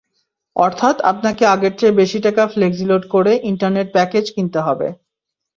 অর্থাৎ আপনাকে আগের চেয়ে বেশি টাকা ফ্লেক্সিলোড করে ইন্টারনেট প্যাকেজ কিনতে হবে।